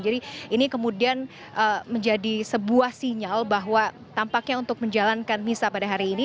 jadi ini kemudian menjadi sebuah sinyal bahwa tampaknya untuk menjalankan misa pada hari ini